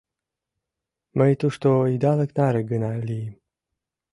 Мый тушто идалык наре гына лийым.